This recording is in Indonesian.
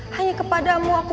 hanya kepadamu aku